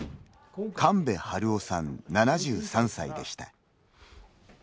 神戸治男さん７３歳でした。